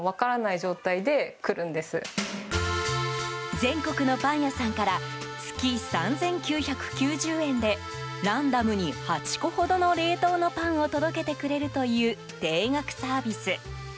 全国のパン屋さんから月３９９０円でランダムに８個ほどの冷凍のパンを届けてくれるという定額サービス。